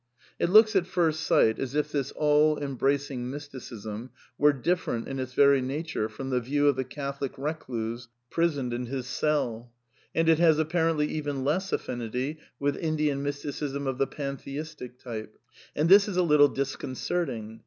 It looks at first sight as if this all embracing mysticism were different in its very nature from the view of the Catholic recluse prisoned in his cell. And it has appar ently even less affinity with Indian mysticism of the Pan theistic type. And this is a little disconcerting.